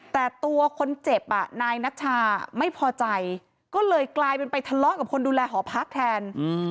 แต่ตัวคนเจ็บอ่ะนายนัชชาไม่พอใจก็เลยกลายเป็นไปทะเลาะกับคนดูแลหอพักแทน